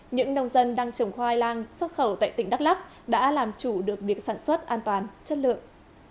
những nông dân đang trồng khoai lang xuất khẩu tại tỉnh đắk lắc đã làm chủ được việc sản xuất an toàn chất lượng